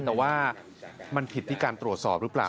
แต่ว่ามันผิดที่การตรวจสอบหรือเปล่า